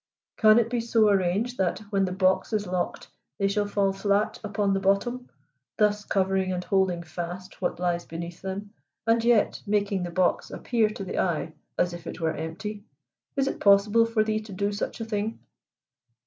Can it be so arranged that, when the box is locked, they shall fall flat upon the bottom, thus covering and holding fast what lies beneath them, and yet making the box appear to the eye as if it were empty. Is it possible for thee to do such a thing?"